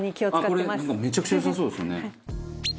めちゃくちゃ良さそうですよね。